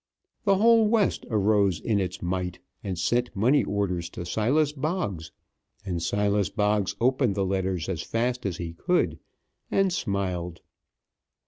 The whole West arose in its might, and sent money orders to Silas Boggs. And Silas Boggs opened the letters as fast as he could, and smiled.